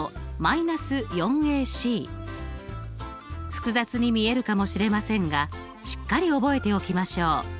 複雑に見えるかもしれませんがしっかり覚えておきましょう。